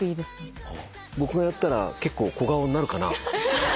僕がやったら結構小顔になるかな？